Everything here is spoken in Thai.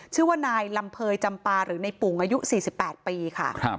ชื่อว่านายลำเภยจำปาหรือในปุ่งอายุ๔๘ปีค่ะ